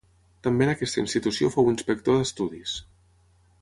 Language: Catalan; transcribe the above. També en aquesta institució fou inspector d'estudis.